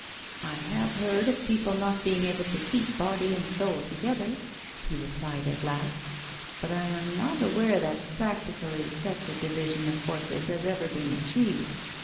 " I have heard of people not being able to keep body and soul together," he replied at last, "but I am not aware that practically such a division of forces has ever been achieved.